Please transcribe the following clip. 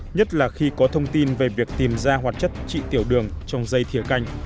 nhất là khi có thông tin về việc tìm ra hoạt chất trị tiểu đường trong dây thiều canh